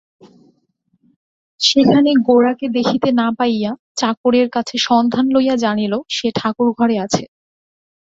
সেখানে গোরাকে দেখিতে না পাইয়া চাকরের কাছে সন্ধান লইয়া জানিল, সে ঠাকুরঘরে আছে।